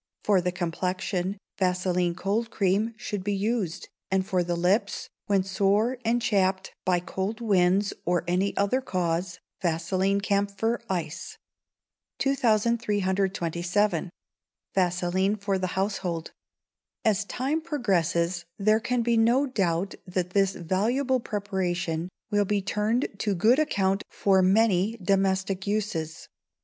For the complexion, vaseline cold cream should be used, and for the lips, when sore and chapped by cold winds or any other cause, vaseline camphor ice. 2327. Vaseline for the Household. As time progresses there can be no doubt that this valuable preparation will be turned to good account for many domestic uses.